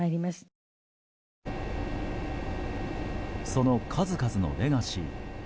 その数々のレガシー。